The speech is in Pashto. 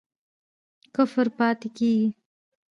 کفر پاتی کیږي؟